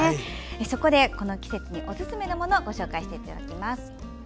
そこで、この季節におすすめのものをご紹介していただきます。